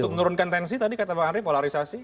untuk menurunkan tensi tadi kata bang andri polarisasi